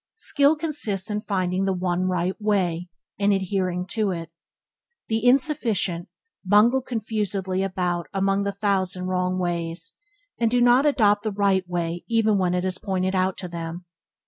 Skill consists in finding the one right way, and adhering to it. The inefficient bungle confusedly about among the thousand wrong ways, and do not adopt the right even when it is pointed out to them.